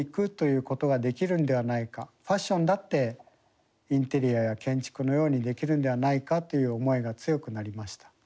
ファッションだってインテリアや建築のようにできるんではないかという思いが強くなりました。